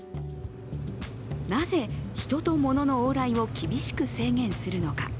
なぜ、人と物の往来を厳しく制限するのか。